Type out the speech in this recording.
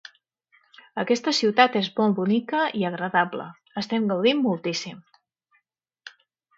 Aquesta ciutat és molt bonica i agradable, estem gaudint moltíssim!